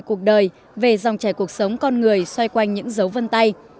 cuộc đời về dòng trải cuộc sống con người xoay quanh những dấu vân tay